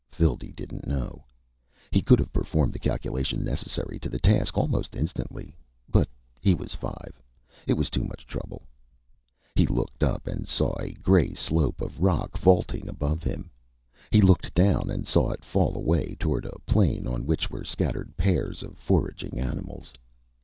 Phildee didn't know. He could have performed the calculation necessary to the task almost instantly, but he was five. It was too much trouble. He looked up, and saw a gray slope of rock vaulting above him. He looked down, and saw it fall away toward a plain on which were scattered pairs of foraging animals.